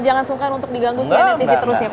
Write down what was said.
jangan sungkan untuk diganggu sepeda tv terus ya pak